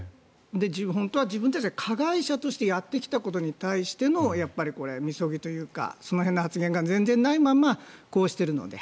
本当は自分たちは加害者としてやってきたことに対してのみそぎというかその辺の発言が全然ないままこうしているので。